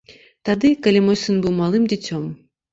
Тады, калі мой сын быў малым дзіцем.